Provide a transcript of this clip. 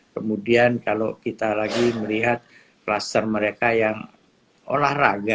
kemudian kalau kita lagi melihat kluster mereka yang olahraga